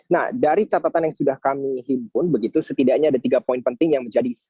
nah dari catatan yang sudah kami himpun begitu setidaknya ada tiga poin penting yang menjadi